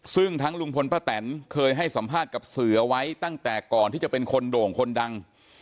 ซึ่งทั้งลุงพลป้าแตนเคยให้สัมภาษณ์กับสื่อเอาไว้ตั้งแต่ก่อนที่จะเป็นคนโด่งคนดัง